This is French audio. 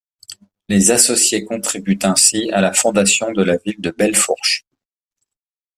Les associés contribuent ainsi à la fondation de la ville de Belle Fourche.